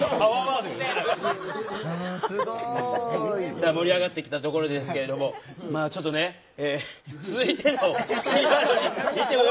さあ盛り上がってきたところですけれどもまあちょっとね続いてのキーワードにいってもよろしいですかね。